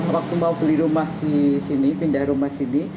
waktu mau beli rumah di sini pindah rumah sini